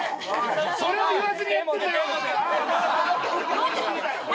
それを言わずにやってんだよ。